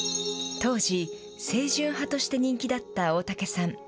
当時、清純派として人気だった大竹さん。